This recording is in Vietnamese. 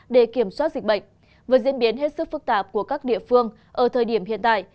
để kiểm soát dịch bệnh với diễn biến hết sức phức tạp của các địa phương ở thời điểm hiện tại